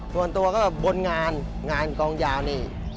ส่วนตัวก็บนงานงานกองยาวนี่